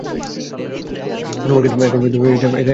তোমার ক্ষেত্রে এখন পর্যন্ত এটা একটা নাম, ইযি।